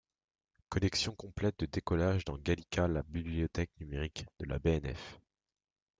Collection complète de Décollage dans Gallica la Bibliothèque numérique de la BnF.